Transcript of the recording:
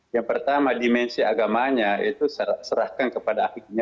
yang pertama dimensi agamanya itu serahkan kepada ahlinya